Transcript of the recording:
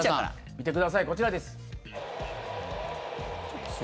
見てください、こちらです。